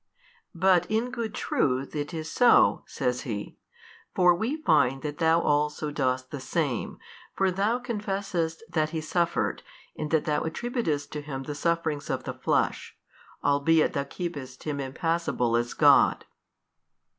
But in good truth it is so (says he), for we find that thou also dost the same, for thou confessest that He suffered, in that thou attributest to Him the sufferings of the flesh, albeit thou keepest Him impassible as God.